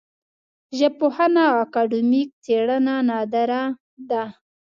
ژبپوهنه او اکاډمیک څېړنه نادره ده